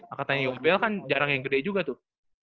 angkatan yumpil kan jarang yang gede juga tuh